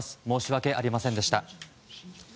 申し訳ございませんでした。